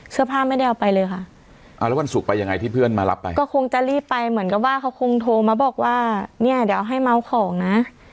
เสื้อผ้าไม่ได้เอาไปเลยค่ะอ่าแล้ววันศุกร์ไปยังไงที่เพื่อนมารับไปก็คงจะรีบไปเหมือนกับว่าเขาคงโทรมาบอกว่าเนี่ยเดี๋ยวให้เมาของนะ